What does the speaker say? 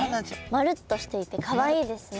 まるっとしていてカワイイですね。